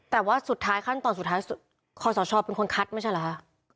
แต่ว่าขั้นตอนสุดท้ายคศชเป็นคนคัดไม่ใช่เหรอคะ